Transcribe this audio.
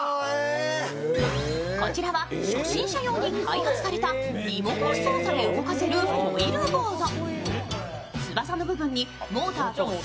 こちらは初心者用に開発されたリモコン操作で動かせるフォイルボード。